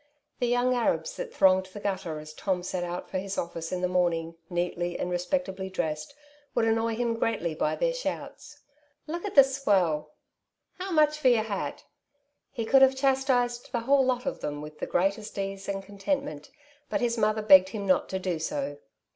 The young Arabs that thronged the gutter as Tom set out for his oflSce in the morning, neatly and respectably dressed, would annoy him greatly by their shouts ; "'Look at the swell," *' How much for your hat ?" He could have chastised the whole lot of them with the greatest ease and contentment; but his mother begged him not to do so.